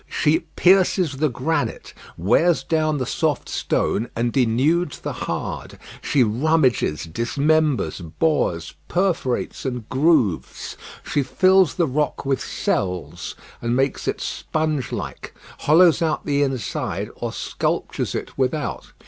She pierces the granite, wears down the soft stone, and denudes the hard; she rummages, dismembers, bores, perforates, and grooves; she fills the rock with cells, and makes it sponge like, hollows out the inside, or sculptures it without.